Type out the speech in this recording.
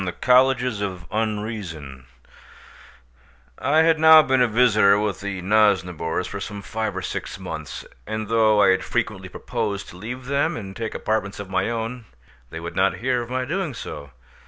THE COLLEGES OF UNREASON I had now been a visitor with the Nosnibors for some five or six months, and though I had frequently proposed to leave them and take apartments of my own, they would not hear of my doing so.